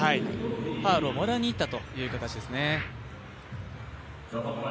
ファウルをもらいにいったという形ですね。